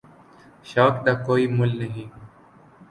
شوق دا کوئ مُل نہیں۔